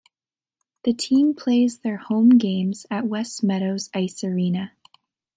The team plays their home games at West Meadows Ice Arena.